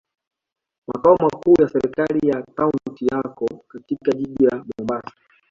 Makao makuu ya serikali ya kaunti yako katika jiji la Mombasa.